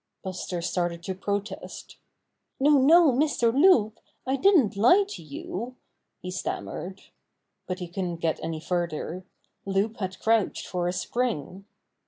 Buster started to protest. "No, no, Mr. Loup, I didn't lie to you," he stammered. But he couldn't get any further. Loup had crouched for a spring.